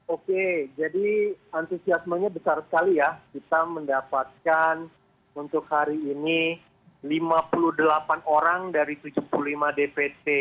oke jadi antusiasmenya besar sekali ya kita mendapatkan untuk hari ini lima puluh delapan orang dari tujuh puluh lima dpt